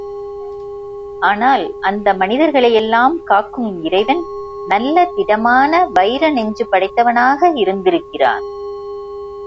ஆனால் அந்த மனிதர்களையெல்லாம் காக்கும் இறைவன் நல்ல திடமான வைர நெஞ்சு படைத்தவனாக இருந்திருக்கிறான்.